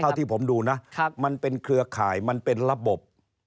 ที่ผมดูนะมันเป็นเครือข่ายมันเป็นระบบ